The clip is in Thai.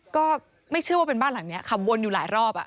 ก็ไม่เชื่อว่าเป็นบ้านหลังนี้ขับวนอยู่หลายรอบ